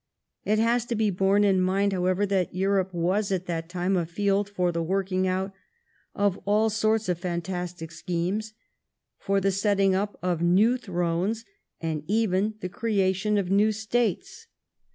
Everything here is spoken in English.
It has to be borne in mind, however, that Europe was at that time a field for the working of all sorts of fantastic schemes, for the setting up of new thrones, and even the creation of new States.